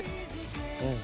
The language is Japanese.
うん！